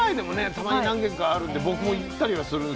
たまに何軒かあるんで僕も行ったりはするんですけどね